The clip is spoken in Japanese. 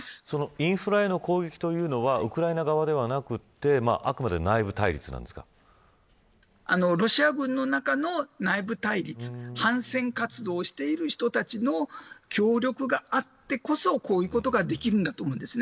インフラへの攻撃というのはウクライナ側ではなくてロシア軍の中の内部対立反戦活動をしている人たちの協力があってこそこういうことができるんだと思います。